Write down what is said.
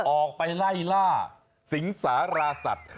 ออกไปไล่ล่าสิงสาราสัตว์